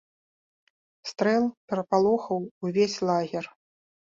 Стрэл перапалохаў увесь лагер.